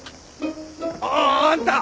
ああんた！